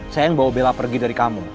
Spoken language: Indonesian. saya yang bawa bela pergi dari kamu